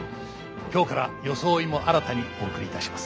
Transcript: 今日から装いも新たにお送りいたします。